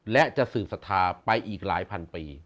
และจะสืบศรัทธาไปอีกหลายพันปี